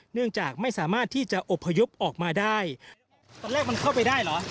เนื่องจากไม่สามารถที่จะอบพยพออกมาได้ตอนแรกมันเข้าไปได้เหรอ